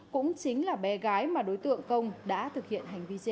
cũng chính là bé gái mà đối tượng công đã thực hiện hành vi trên